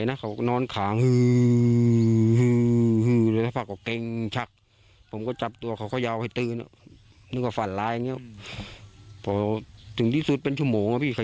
เจอกันหรอกก็แค่เขาเก๊งไม่มองไรวะ